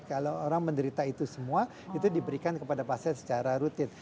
kalau orang menderita itu semua itu diberikan kepada pasien secara rutin